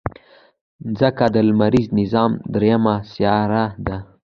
مځکه د لمریز نظام دریمه سیاره ده.